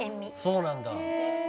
そうなんだ。